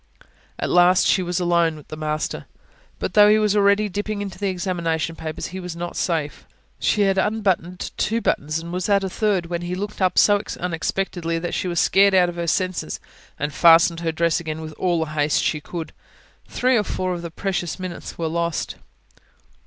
At last, she was alone with the master. But though he was already dipping into the examination papers, he was not safe. She had unbuttoned two buttons and was at a third, when he looked up so unexpectedly that she was scared out of her senses, and fastened her dress again with all the haste she could. Three or four of the precious minutes were lost.